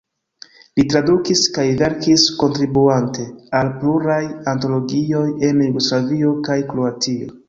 Li tradukis kaj verkis, kontribuante al pluraj antologioj en Jugoslavio kaj Kroatio.